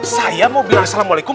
saya mau bilang assalamu'alaikum